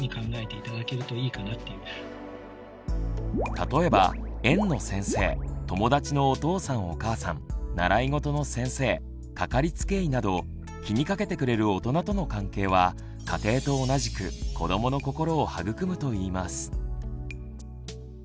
例えば園の先生友達のお父さんお母さん習い事の先生かかりつけ医など気にかけてくれる大人との関係は家庭と同じく子どもの心を育むといいます。